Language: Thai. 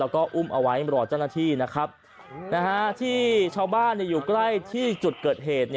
แล้วก็อุ้มเอาไว้รอเจ้าหน้าที่นะครับที่ชาวบ้านอยู่ใกล้ที่จุดเกิดเหตุ